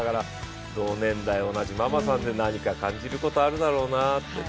同年代、同じママさんで何か感じることあるだろうなって。